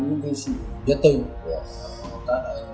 đối với sự biết tư của các anh